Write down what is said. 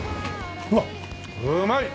うわっうまい！